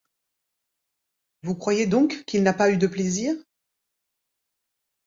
Vous croyez donc qu’il n’a pas eu de plaisir ?